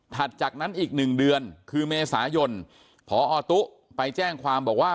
ถัดจากนั้นอีกหนึ่งเดือนคือเมษายนต์พอตุไปแจ้งความบอกว่า